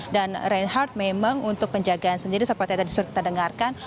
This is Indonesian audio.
reinhardt memang untuk penjagaan sendiri seperti tadi sudah kita dengarkan